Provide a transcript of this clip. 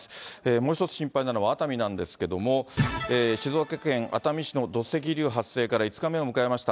もう１つ心配なのは熱海なんですけれども、静岡県熱海市の土石流発生から５日目を迎えました。